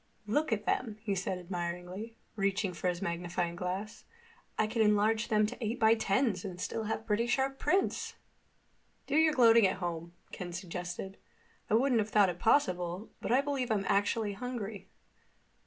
"Look at them," he said admiringly, reaching for his magnifying glass. "I could enlarge them to eight by tens and still have pretty sharp prints!" "Do your gloating at home," Ken suggested. "I wouldn't have thought it possible, but I believe I'm actually hungry."